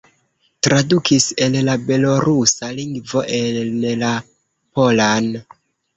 Tradukis el la belorusa lingvo en la polan.